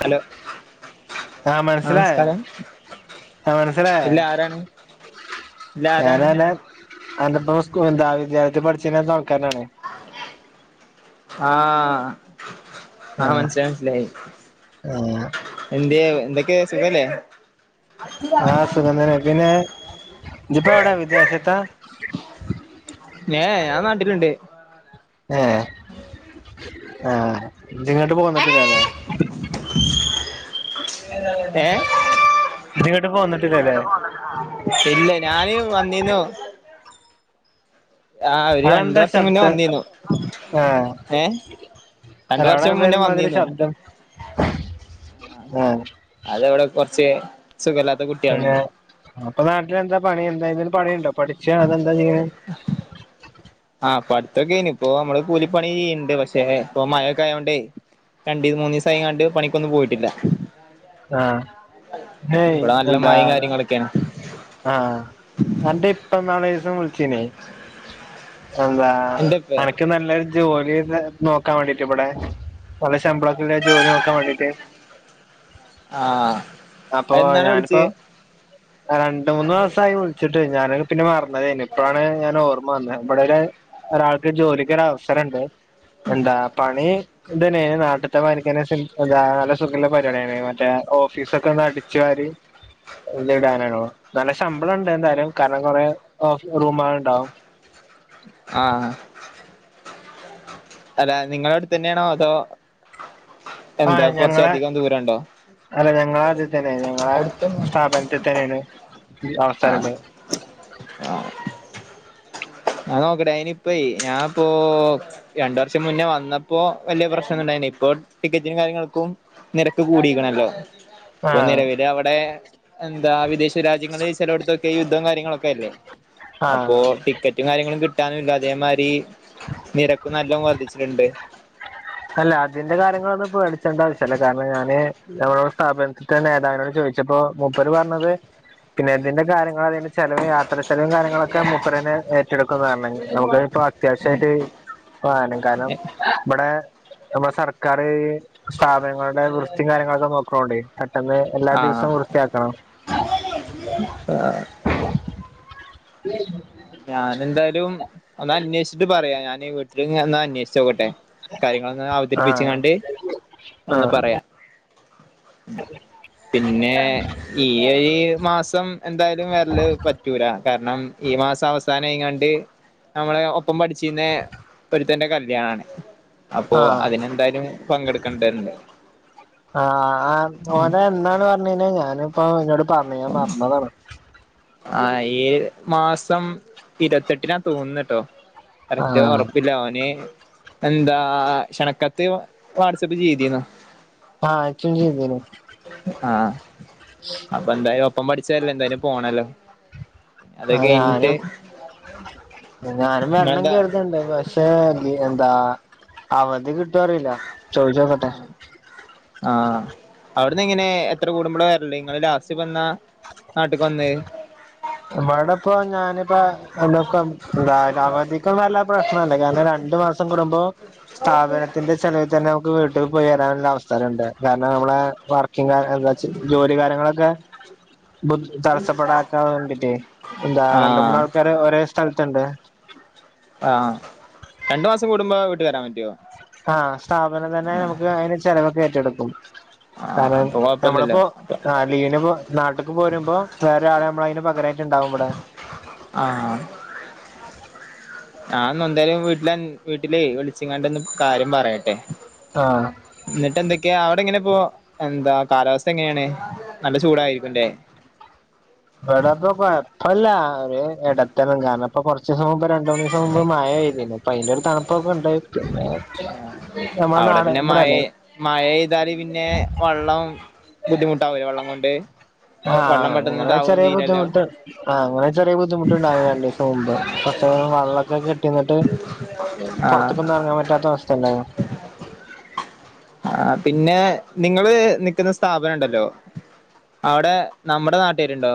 hello ആഹ് മനസിലായോ നമസ്കാരം ആഹ് മനസിലായോ ഇല്ല ആരാണ് ഇല്ല ആരാണ് ഞാനാണ് അന്റെപ്പോ സ്കൂ എന്താ വിദ്യാർത്ഥി പഠിച്ചിര്ണ്ട്ന്ന ആൾക്കാരാണ് ആഹ് ആഹ് മനസിലായി മനസിലായി ആഹ് എന്ത്യ എന്തൊക്കെ സുഖല്ലേ ആഹ് സുഖം തന്നെ പിന്നെ ഇജിപ്പോ എവിടെ വിദേശത്താ ഏഹ് ഞാൻ നാട്ടില്ണ്ട് ഏഹ് ആഹ് ഇജിങ്ങോട്ട് പോന്നിട്ടില്ലാല്ലേ ഏ ഇജ്ജ് ഇങ്ങട്ട് പോന്നിട്ടില്ലല്ലേ ഇല്ലേ ഞാന് വന്നീന്നു ആഹ് ഒരു രണ്ടു അവിടെന്താ വർഷം മുന്നേ ശബ്ദം വന്നിന്നു ആഹ് ഏഹ് രണ്ട് വർഷം മുന്നേ വന്നിന്നു ഏഹ് അത് ഇവിടെ കുറച്ച് സുഖലാത്ത കു പിന്നെ അപ്പൊ നാട്ടില് എന്താ പണി എന്തായിരുന്നു പണിണ്ടോ പഠിച്ച അതെന്താ ചെയ്യ്ണേ [inaudible] ആഹ് പടുത്തൊക്കെ കഴിഞ്ഞ് ഇപ്പൊ നമ്മള് കൂലിപ്പണി ചെയ്യ്ണ്ട് പക്ഷെ ഇപ്പൊ മഴൊക്കെ ആയോണ്ടേ രണ്ട് മൂന്നിസായികാണ്ട് പണിക്കൊന്നും പോയിട്ടില്ല ആഹ് പിന്നെയ് ഇവിടെ നല്ല എന്താ മഴയും കാര്യങ്ങളൊക്കെയാണ് ആഹ് അന്റെ ഇപ്പ ഇന്നാളൊരു ദിവസം വിളിച്ചീനേ എന്താ എന്റെപ്പേ അനക്ക് നല്ല [unintelligible] നോക്കാൻ വേണ്ടീട്ട് ഇവിടെ നല്ല ശമ്പളൊക്കെളള ജോലി നോക്കാൻ വേണ്ടീട്ട് ആഹ് അപ്പൊ എന്നാണ് ഞാനിപ്പോ വിളിച്ചേ രണ്ട് മൂന്ന് ദിവസായി വിളിച്ചിട്ട് ഞാന് പിന്നെ മറ തേനു ഇപ്പോഴാണ് ഞാന് ഓർമ്മ വന്നത് ഇവടെ ഒരു ഒരാൾക്ക് ജോലിക്ക് കേറാൻ അവസരണ്ട് എന്താ പണി ഇതന്നെ നാട്ടിത്തെ മാരിക്കെന്നെ എന്താ നല്ല സുഖള്ള പരിപാടി തന്നെ മറ്റേ ഓഫീസൊക്കൊന്ന് അടിച്ചു വാരി ഇത്ടാനാണോ നല്ല ശമ്പളം ഉണ്ട് എന്തായാലും കാരണം കുറെ റൂമള് ഉണ്ടാവും ആഹ് അല്ല നിങ്ങളെ അടുത്ത് തന്നെയാണോ അതോ ആ എന്താ ഞങ്ങളെ കുറച്ചധികം ദൂരം ഉണ്ടോ അല്ല ഞങ്ങളെ അട്ത്ത് തന്നെ ഞങ്ങളെ അടുത്തന്നെ സ്ഥാപനത്തിൽ തന്നെയാണ് ആഹ് അവസരള്ളത് ആഹ് നോക്കട്ടെ അയിനിപ്പേ ഞാന് ഇപ്പോ രണ്ടു വർഷം മുന്നേ വന്നപ്പോ വലിയ പ്രശ്നൊന്നുണ്ടായിരുന്നില്ല ഇപ്പൊ ടിക്കറ്റിനും കാര്യങ്ങൾക്കും നിരക്ക് കൂടിക്കണല്ലോ ഇപ്പൊ ആഹ് നിലവില് അവിടെ എന്താ വിദേശ രാജ്യങ്ങളിൽ ചെലോട്ത്തൊക്കെ യുദ്ധം കാര്യങ്ങളൊക്കെ അല്ലേ അപ്പോ ആഹ് ടിക്കറ്റും കാര്യങ്ങളും കിട്ടാനുല്ല അതേമാതിരി നിരക്കും നല്ലോം വർദ്ധിച്ചിട്ടുണ്ട് അല്ല അതിന്റെ കാര്യങ്ങളൊന്നും പേടിച്ചേണ്ട ആവശ്യല്ല കാരണം ഞാന് നമ്മളുടെ സ്ഥാപനത്തിതെ നേതാവിനോട് ചോദിച്ച പ്പോ മുപ്പര് പറഞ്ഞത് പിന്നെ ഇതിന്റെ കാര്യങ്ങൾ അതിന്റെ ചെലവും യാത്ര ചെലവും കാര്യങ്ങളൊക്കെ മൂപ്പരന്നെ ഏറ്റെടുക്കും പറഞ്ഞി നമുക്ക് ഇപ്പ അത്യാവിശ്യായിട്ട് [unintelligible] കാരണം ഇവിടെ നമ്മളെ സർക്കാർ സ്ഥാപനങ്ങളുടെ വൃത്തിയും കാര്യങ്ങളൊക്കെ നോക്കണോണ്ട് പെട്ടെന്ന് എല്ലാ ദിവസവും വൃത്തിയാക്കണം ആഹ് [inaudible] ഞാൻ എന്തായാലും ഒന്ന് അന്വേഷിച്ചിട്ട് പറയാ ഞാൻ വീട്ടില് ഇങ്ങനെ അന്വേഷിച്ച് നോക്കട്ടെ കാര്യങ്ങളൊന്ന് ആഹ് അവതരിപ്പിച്ച്കാണ്ട് ഒന്ന് ആഹ് പറയാ പിന്നെ ഈ മാസം എന്തായാലും വരല് പറ്റൂല കാരണം ഈ മാസം അവസാനായികാണ്ട് നമ്മളെ ഒപ്പം പഠിച്ചിരുന്ന ഒരുത്തന്റെ കല്യാണാണ് അപ്പൊ ആഹ് അതിനെന്തായാലും പങ്കെടുക്കണ്ടതുണ്ട് ആഹ് ആഹ് ഓന് എന്നാണ് പറഞ്ഞിനിയെ ഞാനിപ്പോ എന്നോട് പറഞ്ഞിനി ഞാൻ മറന്നതാണ് ആഹ് ഈ മാസം ഇരുപത്തെട്ടിനാ തോന്നുന്നുട്ടോ കറക്റ്റ് ആഹ് ഉറപ്പില്ല അവന് എന്താ ക്ഷണക്കത്ത് വാട്സ്ആപ്പ് ചെയ്തിന്നു ആഹ് ച്ചും ചെയ്തിന്നു ആഹ് അപ്പൊ എന്തായാലും ഒപ്പം പഠിച്ചല്ലേ എന്തായാലും പോണല്ലോ അത് ആഹ് കഴിഞ്ഞിട്ട് ഞാനും ഞാനും വെരണം നിങ്ങളെന്താ കരുത്ണ്ട് പ ക്ഷേ എന്താ അവധി കിട്ടോ അറില്ല ചോദിച്ചോക്കട്ടെ ആഹ് അവിട്ന്ന് എങ്ങനെ എത്ര കൂടുമ്പോള വരല് ഇങ്ങള് ലാസ്റ്റ് പ്പൊന്നാ നാട്ട്ക്ക് വന്നെ ഇവിടെ ഇപ്പൊ ഞാനിപ്പോ എ എന്നാപ്പം ന്താ അവധിക്ക്‌ ഒന്നുമല്ല പ്രശ് ണല്ലേ കാരണം രണ്ടു മാസം കൂടുമ്പോ സ്ഥാപനത്തിന്റെ ചെലവിൽ തന്നെ നമുക്ക് വീട്ടിൽ പോയി വരാനുള്ള അവസരമുണ്ട് കാരണം നമ്മളെ വർ എന്താ ജോലി കാര്യങ്ങളൊക്കെ തടസ്സപ്പെടാക്കാവേണ്ടി എന്താ രണ്ട് ആഹ് മൂന്നാൾക്കാര് ഒരേ സ്ഥലത്തുണ്ട് ആഹ് രണ്ടു മാസം കൂടുമ്പോ വീട്ട് വരാൻ പറ്റുവോ ആഹ് സ്ഥാപനം തന്നെ നമുക്ക് അതിന് ചെിലവൊക്ക ഏറ്റെടുക്കും ആഹ് കാരണം അപ്പൊ കൊഴപ്പില്ലല്ലോ നമ്മളിപ്പോ അപ്പൊ ആ ലീവിന് പോ നാട്ട്ക്ക് പോരുമ്പോ വേറൊരാളെ നമ്മള് അതിന് പകരായിട്ട്ണ്ടാവുമിവിടെ ആഹ് ആഹ് ഞാൻ ഇന്ന് എന്തായാലും വീട്ടിലഅൻ വീട്ടിലേ വിളിച്ചങ്ങാണ്ടൊന്ന് കാര്യം പറയട്ടെ ആഹ് എന്നിട്ട് എന്തൊക്കെയാ അവിടെ എങ്ങനെ ഇപ്പോ എന്താ കാലാവസ്ഥ എങ്ങനെയാണ് നല്ല ചൂടായിരിക്കുംല്ലേ ഇവിടപ്പൊ കൊഴപ്പല്ല ഒരു ഇടത്തരം കാരണം ഇപ്പ കുറച്ചീസം മുമ്പ് ര ണ്ട്മുന്ന് ദിവസം മുമ്പ് മഴ പെയ്തിരുന്നു അപ്പൊ അതിന്റെ ഒരു തണുപ്പൊക്കെണ്ടായി പിന്നെ നമ്മളെ നാട് ഇബടെല്ലേ മഴെയ്താല് പിന്നെ വള്ളം ബുദ്ധിമുട്ടാവുലെ വള്ളം കൊണ്ട് വെള്ളം ആഹ് പെട്ടെന്ന് അങ്ങനെ താവുകയും ചെറിയ ചെയ്യില്ലല്ലോ ബുദ്ധിമുട്ട് ആഹ് അങ്ങനെ ചെറിയ ബുദ്ധിമട്ടുണ്ടായി രണ്ട് ദിവസം മുമ്പ് കൊറച്ച് വെള്ളമൊക്കെ കെട്ടിന്നിട്ട് ആഹ് പുറത്തക്കൊന്നും ഇറങ്ങാൻ പറ്റാത്ത അവസ്ഥണ്ടായോ ആ പിന്നെ നിങ്ങള് നിക്കുന്ന സ്ഥാപനം ഉണ്ടല്ലോ അവിടെ നമ്മുടെ നാട്ടുകാരുണ്ടോ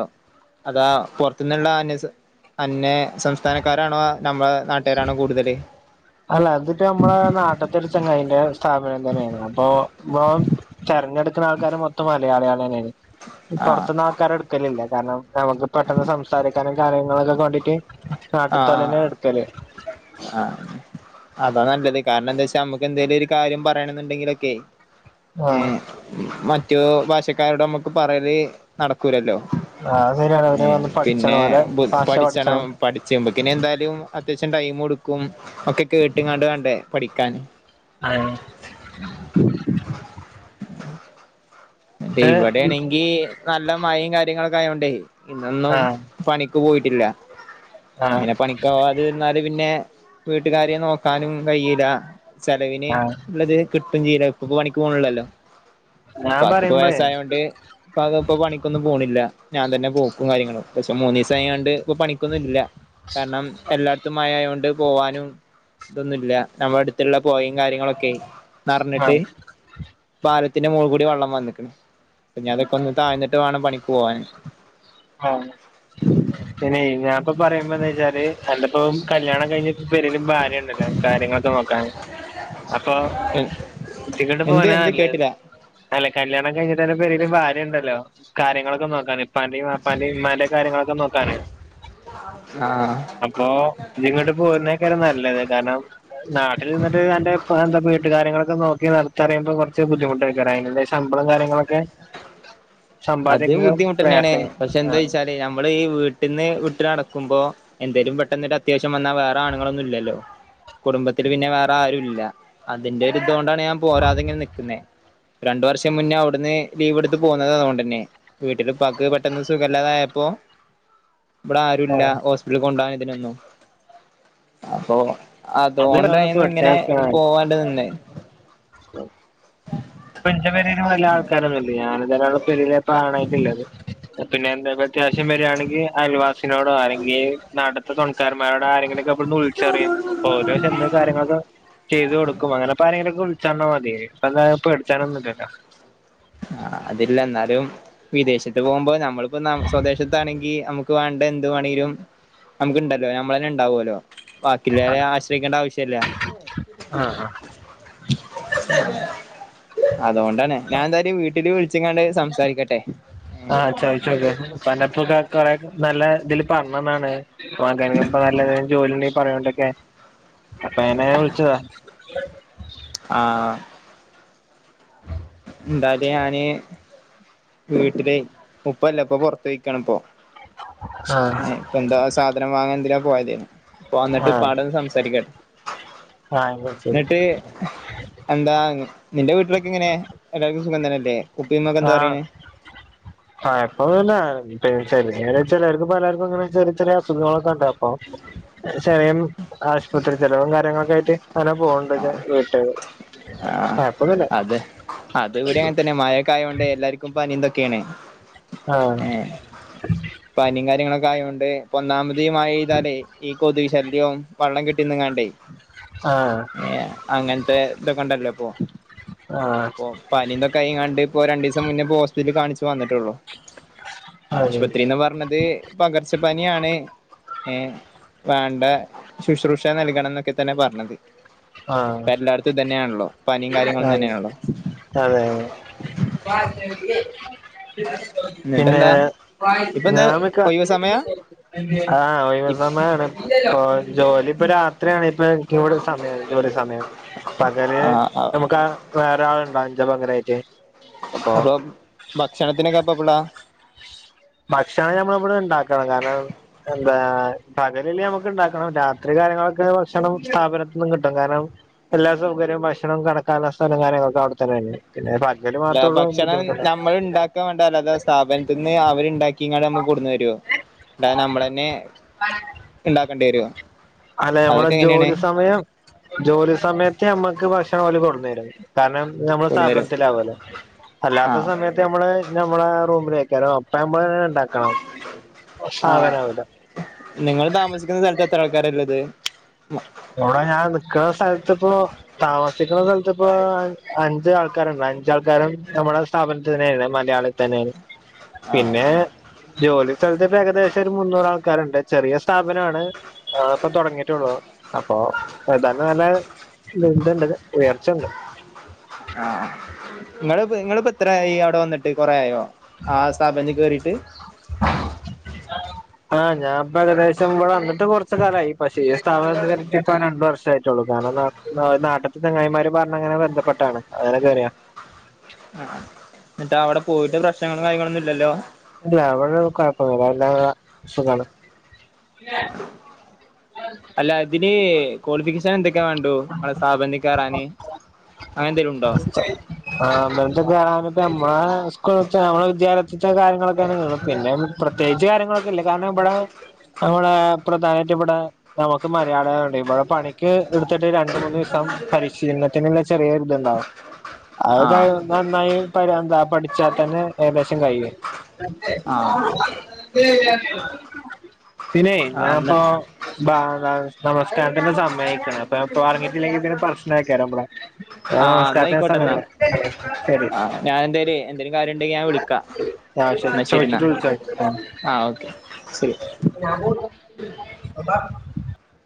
അതാ പുറത്തുന്നുള്ള അന് അന്യ സംസ്ഥാനക്കാരാണോ നമ്മളെ നാട്ട്കാരാണോ കൂടുതല് അല്ല അതിപ്പോ നമ്മളെ നാട്ടിൽത്തെ ഒരു ചെങ്ങായിന്റെ സ്ഥാപനം തന്നെയാണ് അപ്പൊ തെരഞ്ഞെടുക്കുന്ന ആൾക്കാർ മൊത്തം മലയാളികൾ തന്നെയ്നി ആഹ് പുറത്തിന്ന് ആൾക്കാരെ ഇട്ക്കലില്ല കാരണം നമുക്ക് പെട്ടെന്ന് സംസാരിക്കാനും കാര്യങ്ങളൊക്കെ കണ്ടിട്ട് ആഹ് നാട്ടിത്തോലന്നെ എടുക്കല് ആഹ് അതാ നല്ലത് കാരണം എന്താ വെച്ചാ നമ്മുക്ക് എന്തേലും ഒരു കാര്യം പറയണം എന്നുണ്ടെങ്കിലൊക്കെ ഏ ആഹ് മറ്റു ഭാഷക്കാരോട് നമ്മുക്ക് പറയല് നടക്കൂലല്ലോ അത് ശരിയാണ് അവര് ഏ വന്ന് പഠിച്ചണം പിന്നെ ഓലെ ഭാഷ പഠിച്ചണം പഠിച്ച്മ്പക്ക്ന് എന്തായാലും അത്യാവശ്യം ടൈമ്ട്ക്കും ഒക്കെ കേട്ട്ങ്ങാണ്ട് വേണ്ടേ പഠിക്കാൻ അഹ് ട്ട് ഇവിടെയാണെങ്കി നല്ല മഴയും കാര്യങ്ങളൊക്കെ ആയോണ്ടേ ഇന്നൊന്നും ആഹ് പണിക്ക് പോയിട്ടില്ല ആഹ് ഇങ്ങനെ പണി ക്ക്‌ പോകാതിരുന്നാൽ പിന്നെ വീട്ടുകാര്യം നോക്കാനും കഴിയില്ല ചെലവിന് ആഹ് ഉള്ളത് കിട്ടും ചെയ്യില്ല ഇപ്പപ്പോ പണിക്ക് പോക്ണില്ലല്ലോ ഞാൻ ഇപ്പാക്ക് ഇപ്പം പറയുമ്പഴേ വയസ്സായോണ്ട് ഇപ്പ അത് ഇപ്പോ പണിക്കൊന്നും പോണില്ല ഞാൻ തന്നെ പോക്കും കാര്യങ്ങളും പക്ഷെ മൂന്ന ദിവസായാണ്ട് ഇപ്പം പണിക്കൊന്നും ഇല്ല കാരണം എല്ലാട് ത്തും മഴായോണ്ട് പോവാനും ഇതൊന്നുംല്ല നമ്മുടെ അടുത്തുള്ള പൊഴിം കാര്യങ്ങളൊക്കെ നിറഞ്ഞിട്ട് ആഹ് പാലത്തിന്റെ മോൾകൂടി വെള്ളം വന്നിക്ക്ണ് പ്പംഞ്ഞതൊക്കൊന്ന് താഴ്ന്നിട്ട് വേണം പണിക്ക് പോവാൻ ആഹ് പിന്നൈ ഞാപ്പ പറയാമ്പന്നെ വെച്ചാല് അന്റെ പ്പൊ കല്യാണം കഴിഞ് പെരെല് ഭാര്യ ഇണ്ടല്ലോ കാര്യങ്ങളൊക്കെ നോക്കാന് അപ്പൊ കുത്തി എന്ത് എന്ത് കേട്ടില്ല [unintelligible] അല്ല കല്യാണം കഴിഞ്ഞിട്ട് അന്റെ പെരെല് ഭാര്യണ്ടല്ലോ കാര്യങ്ങളോക്ക നോക്കാന് ഇപ്പാന്റിം ഇപ്പാന്റിം ഇമ്മാന്റിം കാര്യങ്ങളൊക്കെ നോക്കാന് ആ അപ്പൊ ഇജ്ജ് ഇങ്ങട്ട് പോര്ന്നെക്കാരം നല്ലത് കാര്ണം നാട്ടില് നിന്നി്ട്ട് അന്റെ എന്ത വീട്ടുകാര്യങ്ങളൊക്കെ നോക്കി നടത്തറിയുമ്പോ കൊർച്ച് ബുദ്ധിമുട്ടേക്കാരം [unintelligible] ശമ്പളം കാര്യങ്ങളൊക്കെ അത് സമ്പാദിക്കുക ബുദ്ധിമുട്ടന്നെണ് പ്രയാസ പക്ഷെ എന്താ വച്ചാല് നമ്മള് ഈ വീട്ട്ന്ന് വിട്ട് നടക്കുമ്പോ എന്തേലും പെട്ടെന്ന്ട്ട അത്യാവശ്യം വന്നാ വേറ ആണുങ്ങളൊന്നു ഇല്ലല്ലോ കുടുംബത്തില് പിന്നെ വേറെ ആരു ഇല്ല അതിന്റെ ഒരിതൊണ്ടാണ് ഞാൻ പോരാതെങ്ങനെ നിക്ക്ന്നേ രണ്ടു വർഷം മുന്നേ അവ്ട്ന്ന് ലീവ് ഇട്ത്ത് പോന്നത അതോണ്ട ന്നെ വീട്ടില് പ്പാക്ക് പെട്ടെന്ന് സുഖല്ലാതായപ്പോ ഇവടെ ആരുല്ല ഹോസ് പിറ്റൽ കൊണ്ടോവാ ഇതിനോന്നും അപ്പൊ അത് അതോണ്ടായിര്ന്ന് ഇങ്ങനെ പോവാണ്ട് നിന്നെ ഉ [inaudible] പ്പന്റെ പെരേല് വല്ല്യ ആൾക്കാരൊന്നില്ല ഞാന [unintelligible] പെരേല് പ്പ ആണായിട്ട്ള്ളത് പിന്നെ എന്ത അത്യാവശ്യം വരാണങ്കി അയൽവാസിനോടോ അല്ലെങ്കിൽ നാട്ട്ത്തെ തൊണ ക്കാരമ്മാരോടോ ആരെങ്കിലൊക്കെ ഇബട്ന്ന് വിൾച്ചറിം അപ്പൊ ഓല് ചെന്ന് കാര്യങ്ങളൊക്കെ ചെയ്തു കൊടുക്കും അങ്ങനെപ്പാരെങ്കിലൊക്കെ വിൾചർഞാ മതി [unintelligible] ചറോന്നില്ലല്ലോ ആ അതില്ല എന്നാലും വിദേശത്ത് പോവുമ്പോ നമ്മള്പ്പോ സ്വദേശത്താണെങ്കി നമു ക്ക് വാണ്ട എന്ത് വേണങ്കിലും നമുക്ക്ണ്ടല്ലോ നമ്മള് തന്നെ ഉണ്ടാവോല്ലോ ബാക്കിള്ളോലെ ആശ്രയിക്കേണ്ട ആവശ്യല്ല ആഹ് അതൊണ്ടാണ് ഞാൻ എന്താ ന്റെ വീട്ടില് വിൾച്ങ്ങാണ്ട് സംസാരിക്കട്ടെ ആ ചോയ്ച്ചോക്ക് ഇപ്പ അന്റെ ഇപ്പക്കെ കൊറെ നല്ല ഇതില് പർഞ്ഞന്നാണ് [unintelligible] നല്ല ജോലി ഇണ്ടങ്കി പറയോ [unintelligible] അപ്പ ഞാന് വിൾച്ചതാ ഉ [inaudible] ആ എന്തായാല് ഞാന് വീട്ടില് ഉപ്പല്ല ഉപ്പ പൊർത്ത് പോയിക്കാണ് പ്പോ ആഹ് ഇപ്പ എന്താ സാധനം വാങ്ങാൻ എന്തിനോ പോയതെനു ഉപ്പ വന്നിട്ട് ആഹ് ഉപ്പാടന്ന് സംസാരിക്ക ആഹ് എന്നാ ശരി ന്നട്ട് എന്താ നിന്റെ വീട്ടിലൊക്കെ എങ്ങനെ എല്ലാർക്കും സുഖം തന്നെയല്ലേ ഉപ്പയും ഉമ്മയും ഒക്കെ ആ എന്താ പറയണേ [unintelligible] ചെ ചെലർക്കു പലർക്കും ങ്ങനെ ചെറിയ ചെറിയ അസുഖങ്ങളൊക്കെ ഇണ്ടാവും പ്പൊ ചെറിയ ആഷ്പത്രി ചെലവും കാര്യങ്ങളൊക്കെ ആയിട്ട് അങ്ങനെ പൊവ്ണ്ടച്ചാ വീട്ടാര് ആ അതെ അത് ഇവടിം അങ്ങൻ തന്നെ മഴ ക്കായൊണ്ടേ എല്ലാര്ക്കും പനിം തൊക്കെണ് ആഹ് ഏ പനിം കാര്യങ്ങളൊക്കെ ആയൊണ്ട് പ്പൊ ഒന്നാമതി മഴയ്താലേ ഈ കൊത് ശല്യവും വള്ളം കെട്ടിന്ന്ങ്ങണ്ടേ ആഹ് ഏ അങ്ങൻത്തെ ഇതൊക്കണ്ടല്ലോ ആഹ് പ്പൊ പനിം തൊക്കായ്ങ്ങാണ്ട് ഇപ്പോ രണ്ടീ സം മുന്നേ പ്പ ഹോസ്പിറ്റൽ കാൺച്ചു വന്ന്ട്ടൊള്ളൂ അതെ ആശുപത്രിന്ന് പർഞ്ഞത് പകർച്ച പനിയാണ് ഏ വാണ്ട ശുശ്രൂഷ നൽകണംന്നൊക്കെ തന്നെ പർഞ്ഞത് ആഹ് ഇത് തന്നെയാണല്ലോ പനിം കാര്യങ്ങളും തന്നെയാണല്ലോ അതെയ എന്ന്ട്ടെന്താ ഞാമക്ക ആഹ ഒഴിവുസമയാണ് ഇല്ലല്ലോആ ജോലി ഇപ്പൊ രാത്രിയാണ് ഇപ്പൊ ഇടെ സമയം ജോലിസമയം പകല് ആ നമുക്ക് ആ വേറെ ആളുണ്ടാവു ഞ്ച പകരായിട്ട് അപ്പൊ ഭക്ഷണത്തിനൊക്കെപ്പ എപ്പടളാ ഭക്ഷണം നമ്മള് ഇവിടെ ഉണ്ടാക്കണം കാരണം എന്താ പകല് നമുക്ക് ഉണ്ടാക്കണം രാത്രി കാര്യങ്ങളൊക്കെ ഭക്ഷണം സ്ഥാപനത്തി നിന്നും കിട്ടും കാരണം എല്ലാ സൗകര്യവും ഭക്ഷണം കടക്കാനുള്ള സ്ഥലം കാര്യങ്ങളൊക്കെ അവിടെത്തന്നെന്നാണ് പിന്നെ എന്തും മാത്രേള്ളു ബുദ്ധിമുട്ടല് ക്ക വാണ്ടത് സ്ഥാപനത്തിന്ന് അവര് ഉണ്ടാക്കിങ്ങാണ്ട് നമ്മള് കൊടുന്നരോ ണ്ടായ നമ്മളന്നെ ഉണ്ടാക്കെണ്ട രോ അലെ നമ്മളെ ജോലി സമയം ജോലി സമയത്ത് നമ്മക്ക് ഭക്ഷണം ഓല് കൊടുന്നരും കാരണം നമ്മൾ കൊടുന്ന് തരുവോ സ്ഥാപനത്തിലാവോലൊ ആ അല്ലാത്ത സമയം നമ്മള് നമ്മളെ റൂമിൽ വക്കാലോ അപ്പ നമ്മള് ണ്ടാകും സാവനാവൂല്ല സ്ഥലത്തത്ര ആൾക്കാരല്ലത് ഉടെ ഞാൻ നിക്ക്ണ സ്ഥലത്ത് ഇപ്പോൊ താമസിക്കുന്ന സ്ഥലത്ത് പ്പോ അഞ്ച് ആൾക്കാരുണ്ട് അഞ്ച് ആൾക്കാരും നമ്മുടെ സ്ഥാപനത്തി തന്നെയാണ് മലയാളി തന്നെയാണ് ആ പിന്നെ ജോലി സ്ഥലത്ത്പ്പ ഏകദേശം ഒരു മുന്നൂറ് ആൾക്കാരുണ്ട് ചെറിയ സ്ഥാപനാണ് ആ ളപ്പൊ തൊടങ്ങിട്ടൊള്ളൂ അപ്പൊഏതാനും നല്ല ലിണ്ടണ്ട്ഉയർച്ചുണ്ട് ഹാ നിങ്ങള നിങ്ങളിപ്പോ എത്രയായി അവിടെ വന്നിട്ട് കൊറ ആയോ ആ സ്ഥാപന കേയറീട്ട് ഹാ ഞൻ ഇപ്പ ഏകദേശം ഇവിടെ വന്നിട്ട് കുറച്ച് കാലമായി പക്ഷേ ഇ താപനത്തിലാരൊക്കെ പ്പൊരണ്ട് വർഷായിട്ടൊള്ളൂ നാട്ട്ത്തെ തെങ്ങായിമാര് പറഞ്ഞ അങ്ങനെ ബന്ധപ്പെട്ടാണ് അങ്ങനെ കേറിയ ഹാ ന്നിട്ട് അവിടെ പോയിട്ട് പ്രശ്നങ്ങള കാര്ങ്ങളൊന്നും ഇല്ലല്ലോ ഇല്ല ഇവടെ കൊഴപ്പന്നൂല്ലാ സുഖാണ് അല്ല ഇതില് ക്വാളിഫിക്കേഷൻ എന്തൊക്കെയ വേണ്ടു ഇങ്ങളെ സഥാപനിക്കേറാന് ക്ള്സ്റ്റേ ആ അമ്മനത്തെക്കറൻപ്പ നമ്മളെ സ്കൂള നമ്മെ വിദ്യാലയത്തെ കാര്യങ്ങളൊക്കെ നീളും പിന്നെ പ്രത്യേകിച്ച് കാര്യങ്ങളൊന്നും ഇല്ല കാരണം ഇപടെ നമ്മളെ പ്രധാനായിട്ട് ഇപടെ നമുക്ക് മലയാളംആയോണ്ട് ഇപടെ പണിക്ക് എടുത്തിട്ട് രണ്ട്മൂന്നീസം പരിശീലനത്തിനുള്ള ചെറിയൊരു ല്ല ണ്ടോ അഹ് ആഹ് കാരണം നന്നായി പടിച്ചാ തന്നെ ഏകദേശം കഴുയും ആഹ് പിന്നെ ആഹ് ഞാന് എന്നാ പ്പോൊ ബ നമസ്കാരത്തിന്നുള്ള സമയായിക്ക്ണ് അപ്പൊപ്പ പറങ്ങിട്ടില്ലെങ്കിൽ പിന്നെ പ്രശ്ന ആക്കാരം ഇപെട ആഹ് ന്നയ്ക്കോട്ടെ ന്നാ ശരി ഞൻ എന്താല എന്തേലും കാര്യം ഉണ്ടെങ്കി ഞാൻ വിളിക്കാം ആഹ് എന്ന ശരി എന്നാ ചോദിച്ചിട്ട് വിളിച്ചാ മതി ആഹ് ഓക്കെ ശരി ഞാൻ പോന്നു അപ